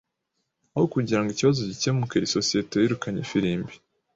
Aho kugirango ikibazo gikemuke, isosiyete yirukanye ifirimbi .